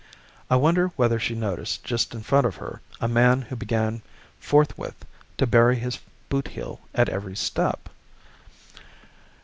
I wonder whether she noticed, just in front of her, a man who began forthwith to bury his boot heel at every step?